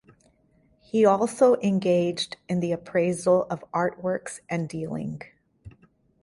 He also engaged in the appraisal of artworks and dealing.